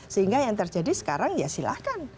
sehingga yang terjadi sekarang ya silahkan